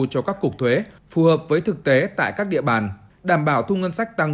cho các cục thuế phù hợp với thực tế tại các địa bàn đảm bảo thu ngân sách tăng